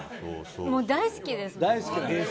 もう大好きです。